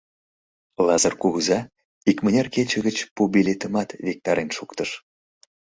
Лазыр кугыза икмыняр кече гыч пу билетымат виктарен шуктыш.